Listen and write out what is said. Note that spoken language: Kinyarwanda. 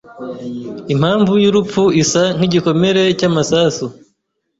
Impamvu yurupfu isa nkigikomere cyamasasu.